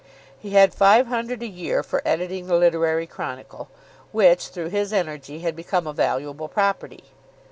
He had five hundred a year for editing the "Literary Chronicle," which, through his energy, had become a valuable property.